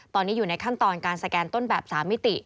ตอนนี้อยู่ในขั้นตอนการสแกนต้นแบบ๓มิติ